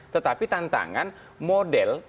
tetapi tantangan model